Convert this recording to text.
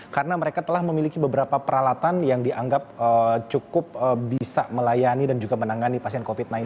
karena mereka telah memiliki beberapa peralatan yang dianggap cukup bisa melayani dan juga menangani pasien covid sembilan belas